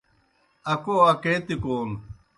اکو اکے تِکون